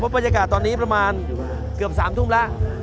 บรรยากาศตอนนี้ประมาณเกือบ๓ทุ่มแล้ว